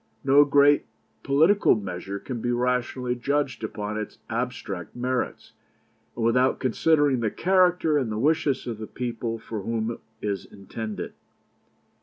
No great political measure can be rationally judged upon its abstract merits, and without considering the character and the wishes of the people for whom it is intended.